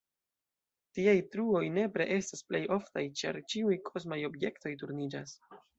Tiaj truoj nepre estas plej oftaj, ĉar ĉiuj kosmaj objektoj turniĝas.